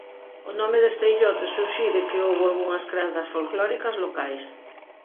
O nome deste illote suxire que houbo algunhas crenzas folclóricas locais.